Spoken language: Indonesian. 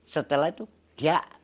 setelah itu dia